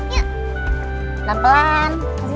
waalaikumsalam take care